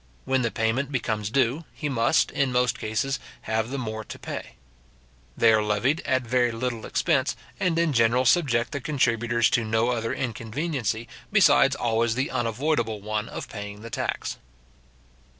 When the payment becomes due, he must, in most cases, have the more to pay. They are levied at very little expense, and in general subject the contributors to no other inconveniency, besides always the unavoidable one of paying the tax.